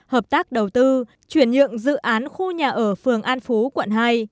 hợp tác đầu tư chuyển nhượng dự án khu nhà ở phường an phú quận hai